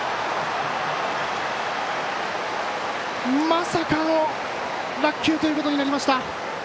まさかの落球ということになりました。